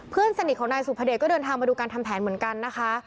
เพื่อนสนิทของนายสุภเดชก็เดินทางมาดูการทำแผนเหมือนกันนะคะ